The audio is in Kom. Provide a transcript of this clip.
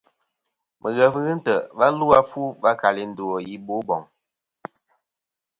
Mɨghef ghɨ ntè' va lu a fu va kali ndu a i Boboŋ.